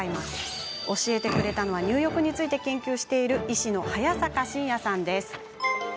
教えてくれたのは入浴について研究している医師の早坂信哉さんです。